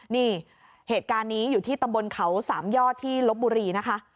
นี่เหตุการณ์นี้อยู่ที่ตำบลเขาสามยอดที่ลบบุรีนะคะ